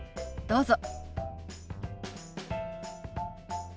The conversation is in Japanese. どうぞ。